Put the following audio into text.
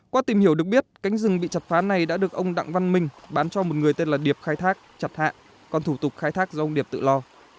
qua tìm hiểu được biết cánh rừng bị chặt phá này đã được ông đặng văn minh bán cho một người tên là điệp khai thác chặt hạ còn thủ tục khai thác do ông điệp tự lo